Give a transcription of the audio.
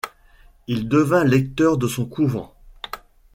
Il devint lecteur de son couvent.